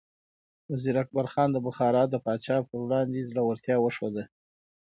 وزیر اکبر خان د بخارا د پاچا پر وړاندې زړورتیا وښوده.